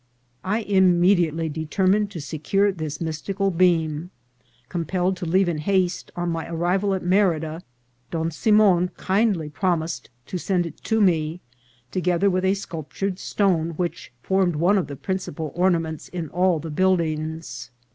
I immediately determined to secure this mystical beam. Compelled to leave in haste, on my arrival at Merida Don Simon kindly promised to send it to me, together with a sculptured stone which formed one of the principal ornaments in all the build ings.